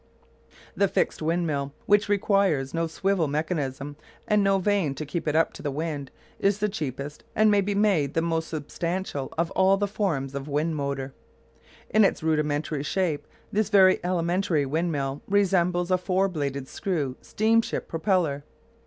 The fixed windmill, which requires no swivel mechanism and no vane to keep it up to the wind, is the cheapest and may be made the most substantial of all the forms of wind motor. In its rudimentary shape this very elementary windmill resembles a four bladed screw steam ship propeller.